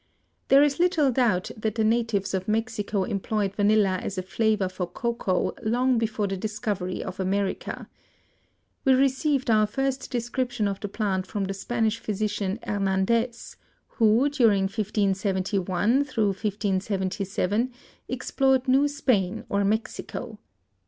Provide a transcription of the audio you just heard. There is little doubt that the natives of Mexico employed vanilla as a flavor for cocoa long before the discovery of America. We received our first description of the plant from the Spanish physician Hernandez, who, during 1571 1577 explored New Spain or Mexico.